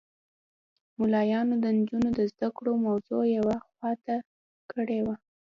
ملایانو د نجونو د زده کړو موضوع یوه خوا ته کړې وه.